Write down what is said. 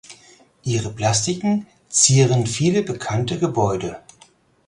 Ihre Plastiken zieren viele bekannte Gebäude.